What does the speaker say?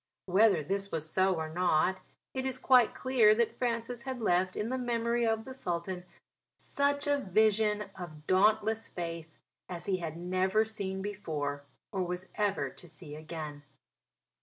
Whether this was so or not, it is quite clear that Francis had left in the memory of the Sultan such a vision of dauntless faith as he had never seen before or was ever to see again.